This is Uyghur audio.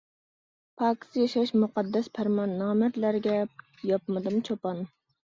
پاكىز ياشاش مۇقەددەس پەرمان، نامەردلەرگە ياپمىدىم چاپان.